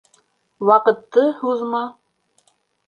Ваҡытты һуҙма.